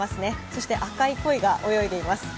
そして赤い鯉が泳いでいます。